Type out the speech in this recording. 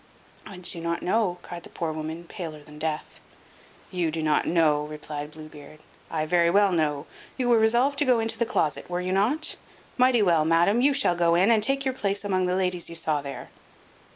"I do not know," cried the poor woman, paler than death. "You do not know!" replied Blue Beard. "I very well know. You were resolved to go into the closet, were you not? Mighty well, madam; you shall go in, and take your place among the ladies you saw there."